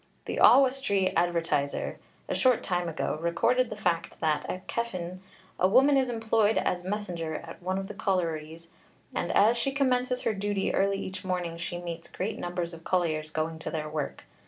The Oswestry Advertiser, a short time ago, recorded the fact that, at Cefn, 'a woman is employed as messenger at one of the collieries, and as she commences her duty early each morning she meets great numbers of colliers going to their work.